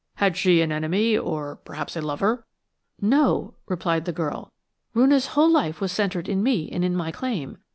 Had she an enemy, or perhaps a lover?" "No," replied the girl; "Roonah's whole life was centred in me and in my claim.